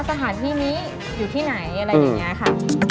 สถานที่นี้อยู่ที่ไหนอะไรอย่างนี้ค่ะ